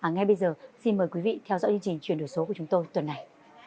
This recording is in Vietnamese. ngay bây giờ xin mời quý vị theo dõi chương trình chuyển đổi số của chúng tôi tuần này